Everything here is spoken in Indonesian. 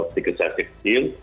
tiket sahaja kecil